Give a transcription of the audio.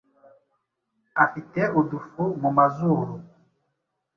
afite udufu mu mazuru